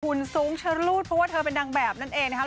สูงชะลูดเพราะว่าเธอเป็นนางแบบนั่นเองนะครับ